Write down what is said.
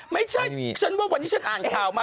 ไม่ใช่ฉันว่าวันนี้ฉันอ่านข่าวมา